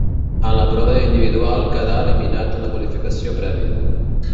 En la prova individual quedà eliminat en la qualificació prèvia.